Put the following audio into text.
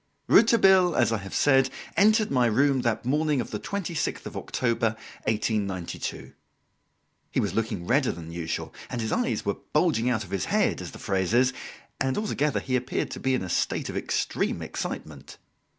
Rouletabille, as I have said, entered my room that morning of the 26th of October, 1892. He was looking redder than usual, and his eyes were bulging out of his head, as the phrase is, and altogether he appeared to be in a state of extreme excitement.